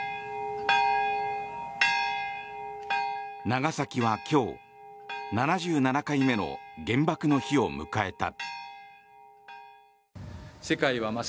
長崎は今日７７回目の原爆の日を迎えた。